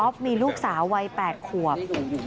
อ๊อฟมีลูกสาวัย๘ขวบ